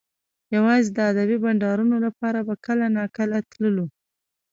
یوازې د ادبي بنډارونو لپاره به کله ناکله تللو